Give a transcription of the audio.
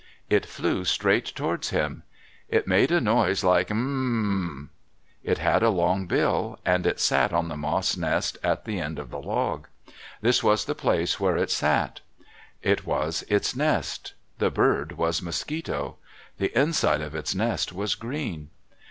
It flew straight towards him. It made a noise like M mmmmmmm. It had a long bill. And it sat on the moss nest at the end of the log. This was the place where it sat. It was its nest. The bird was Mosquito. The inside of its nest was green.